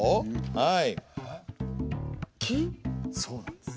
はい。